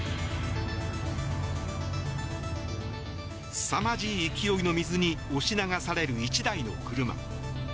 すさまじい勢いの水に押し流される１台の車。